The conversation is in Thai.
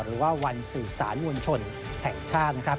หรือว่าวันสื่อสารมวลชนแห่งชาตินะครับ